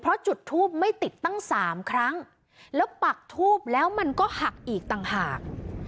เพราะจุดทูปไม่ติดตั้งสามครั้งแล้วปักทูบแล้วมันก็หักอีกต่างหาก